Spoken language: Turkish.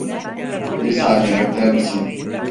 Bir saniye bekler misin?